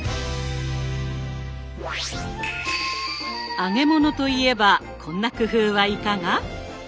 揚げ物といえばこんな工夫はいかが？